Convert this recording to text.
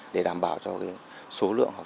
để đảm bảo cho số lượng học